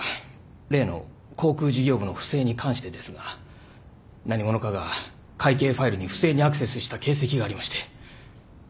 例の航空事業部の不正に関してですが何者かが会計ファイルに不正にアクセスした形跡がありまして。